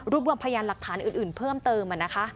รูปรวมพยานหลักฐานอื่นเพิ่มเติมมานะคะ